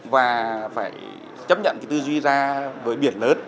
và phải chấp nhận tư duy ra với biển lớn